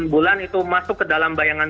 enam bulan itu masuk ke dalam bayangan